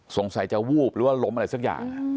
สงสัยจะวูบหรือว่าล้มอะไรสักอย่าง